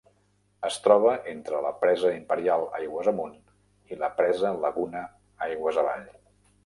Es troba entre la Presa Imperial aigües amunt, i la Presa Laguna aigües avall.